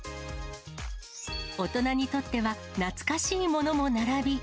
大人にとっては懐かしいものも並び。